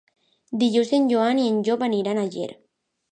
Dijous en Joan i en Llop aniran a Ger.